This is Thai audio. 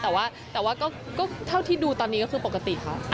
แต่ว่าก็เท่าที่ดูตอนนี้ก็คือปกติค่ะ